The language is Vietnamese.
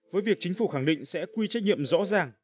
với việc chính phủ khẳng định sẽ quy trách nhiệm rõ ràng